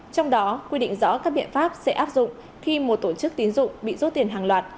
trong đó quy định rõ các biện pháp sẽ áp dụng khi một tổ chức tín dụng bị rốt tiền hàng loạt